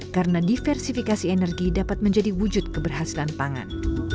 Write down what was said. karena diversifikasi energi dapat menjadi wujud keberhasilan pangan